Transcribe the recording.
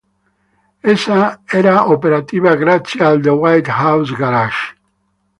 Essa era operativa grazie al “The White Mouse Garage”.